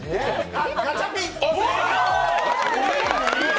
あっ、ガチャピン！